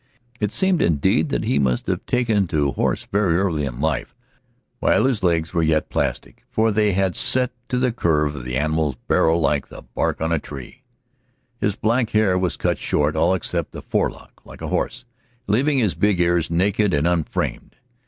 It seemed, indeed, that he must have taken to a horse very early in life, while his legs were yet plastic, for they had set to the curve of the animal's barrel like the bark on a tree. His black hair was cut short, all except a forelock like a horse, leaving his big ears naked and unframed.